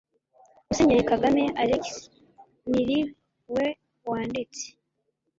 musenyeri kagame alegisi ni we wanditse